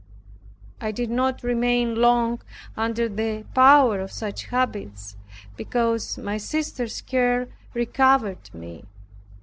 I did not remain long under the power of such habits because my sister's care recovered me.